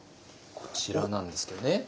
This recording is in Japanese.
こちらなんですけどね。